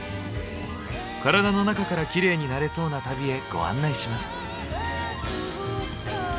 カラダの中からキレイになれそうな旅へご案内します。